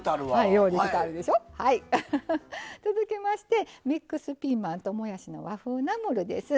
続きましてミックスピーマンともやしの和風ナムルです。